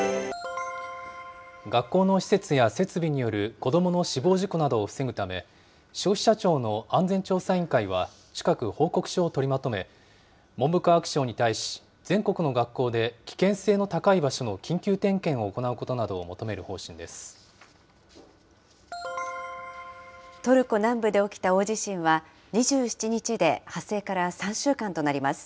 学校の施設や設備による子どもの死亡事故などを防ぐため、消費者庁の安全調査委員会は近く、報告書を取りまとめ、文部科学省に対し、全国の学校で危険性の高い場所の緊急点検を行うことなどトルコ南部で起きた大地震は、２７日で発生から３週間となります。